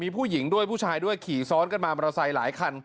ผู้ชายด้วยขี่ซ้อนกันมามอเตอร์ไซค์หลายคัน